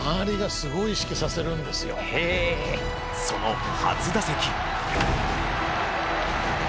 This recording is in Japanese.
その初打席。